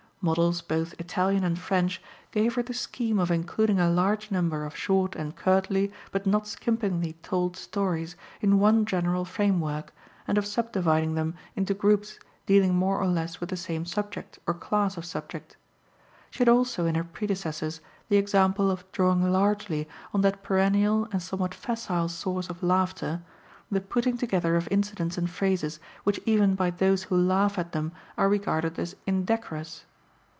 Models both Italian and French gave her the scheme of including a large number of short and curtly, but not skimpingly, told stories in one general framework, and of subdividing them into groups dealing more or less with the same subject or class of subject. She had also in her predecessors the example of drawing largely on that perennial and somewhat facile source of laughter the putting together of incidents and phrases which even by those who laugh at them are regarded as indecorous.